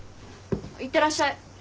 いってらっしゃい。